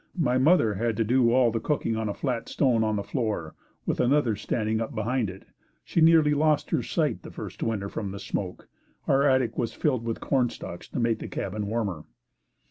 My mother had to do all the cooking on a flat stone on the floor with another standing up behind it. She nearly lost her sight the first winter from the smoke. Our attic was filled with cornstalks to make the cabin warmer.